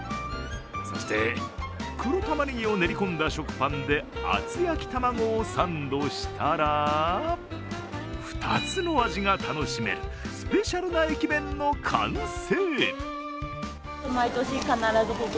そして、黒たまねぎを練り込んだ食パンで厚焼き卵をサンドしたら２つの味が楽しめるスペシャルな駅弁の完成。